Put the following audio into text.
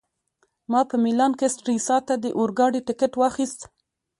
ما په میلان کي سټریسا ته د اورګاډي ټکټ واخیست.